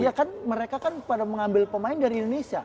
iya kan mereka kan pada mengambil pemain dari indonesia